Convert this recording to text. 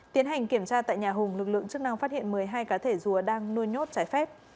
tiến hành kiểm tra tại nhà hùng lực lượng chức năng phát hiện một mươi hai cá thể rùa đang nuôi nhốt trái phép